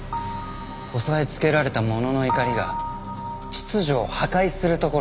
抑えつけられた者の怒りが秩序を破壊するところを。